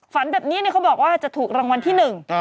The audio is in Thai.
ฝันแบบนี้เขาบอกว่าจะถูกรางวัลที่หนึ่ง